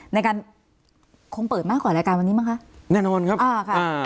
ในการคงเปิดมากกว่ารายการวันนี้มั้งคะแน่นอนครับอ่าค่ะอ่า